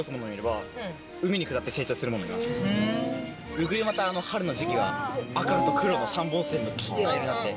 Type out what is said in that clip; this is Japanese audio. ウグイはまた春の時期は赤と黒の３本線でキレイな色になって。